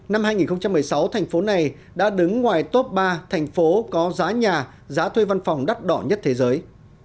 năm hai nghìn một mươi sáu thành phố này đã đứng ngoài top ba thành phố có giá nhà giá thuê văn phòng đắt đỏ nhất thế giới